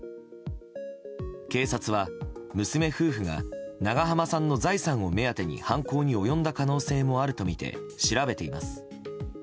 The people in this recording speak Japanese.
警察は、娘夫婦が長濱さんの財産を目当てに犯行に及んだ可能性もあるとみて調べています。